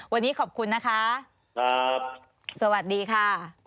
วันนี้ขอบคุณนะคะครับสวัสดีค่ะ